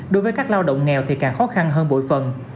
đối với các lao động nghèo thì càng khó khăn hơn bội phần